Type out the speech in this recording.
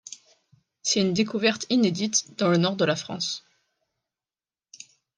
C'est une découverte inédite dans le Nord de la France.